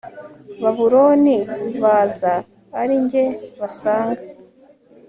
babuloni baza ari jye basanga